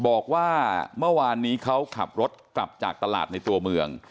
บอกว่าเมื่อวานนี้เขาขับรถกลับจากตลาดในตัวเมือง